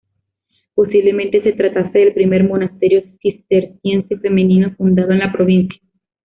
Posiblemente se tratase del primer monasterio cisterciense femenino fundado en la provincia.